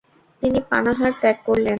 তিনি পানাহার ত্যাগ করলেন।